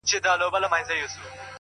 سهار ډکه هدیره سي له زلمیو شهیدانو -